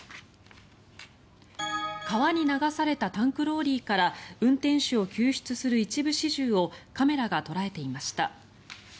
川に流されたタンクローリーから運転手を救出する一部始終をカメラが捉えていました。